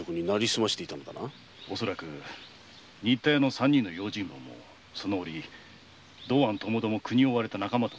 新田屋の三人の用心棒もその折道庵ともども国を追われた仲間と思われます。